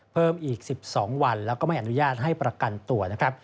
เพิ่มอีก๑๒วันแล้วก็ไม่อนุญาตให้ประกันตัวนะครับ